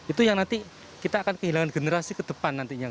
itu yang nanti kita akan kehilangan generasi ke depan nantinya